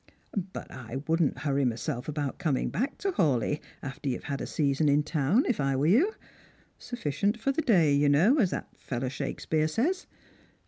But I wouldn't hurry myself about coming back to Hawleigh after you've had a season in town, if I were you. Sufficient for the day, you know, as that fellow Shakespeare says.